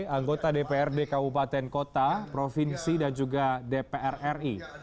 anggota dprd kabupaten kota provinsi dan juga dpr ri